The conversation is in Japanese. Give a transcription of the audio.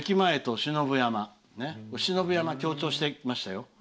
信夫山を強調してきましたよね。